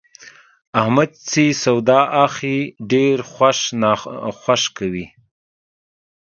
احمد چې سودا اخلي، ډېر خوښ ناخوښ کوي.